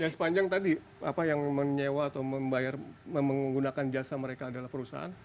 dan sepanjang tadi apa yang menyewa atau membayar menggunakan jasa mereka adalah perusahaan